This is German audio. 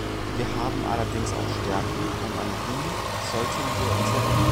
Wir haben allerdings auch Stärken und an die sollten wir uns erinnern.